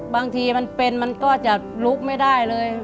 บางทีมันเป็นมันก็จะลุกไม่ได้เลย